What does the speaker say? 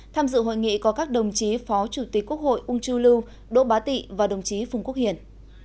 tham dự hội nghị có các đồng chí phó chủ tịch quốc hội ung chu lưu đỗ bá tị và đồng chí phùng quốc hiển